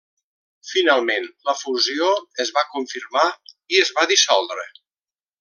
Finalment, la fusió es va confirmar i es va dissoldre.